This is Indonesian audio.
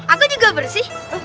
aku juga bersih